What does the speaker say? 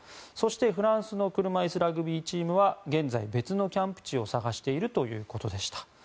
フランスの車いすラグビーチームは現在、別のキャンプ地を探しているということです。